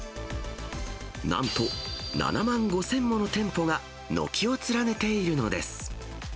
なんと７万５０００もの店舗が軒を連ねているのです。